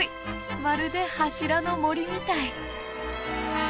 まるで柱の森みたい。